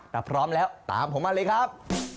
ถ้าพร้อมแล้วตามผมมาเลยครับ